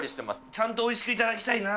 ちゃんとおいしく頂きたいな。